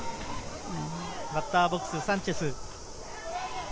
バッターボックス、サンチェス。